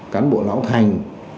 cán bộ lão thành